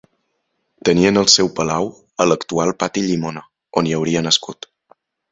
Tenien el seu palau a l'actual pati Llimona, on hi hauria nascut.